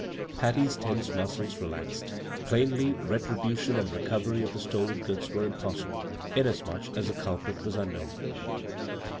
Patty's tense muscles relaxed. Plainly ret ribution and recovery of the stolen goods were impossible, inasmuch as the culprit was unknown.